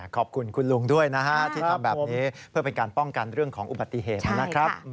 ขอบคุณคุณลุงด้วยนะฮะที่ทำแบบนี้เพื่อเป็นการป้องกันเรื่องของอุบัติเหตุนะครับ